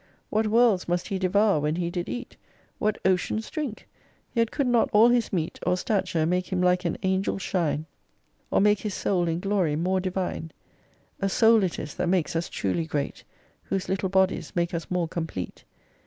What worlds must he devour when he did eat ? What oceans drink ! yet could not all his meat, Or stature, make him like an angel shine ; 171 Or make his Soul in Glory more Divine. A Soul it is that makes us truly great, Whose little bodies make us more complete.